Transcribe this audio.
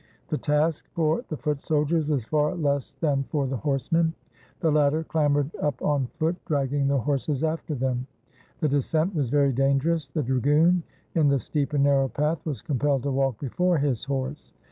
The task for the foot soldiers was far less than for the horsemen. The latter clambered up on foot, dragging their horses after them. The descent was very dangerous. The dragoon, in the steep and narrow path, was compelled to walk before his horse.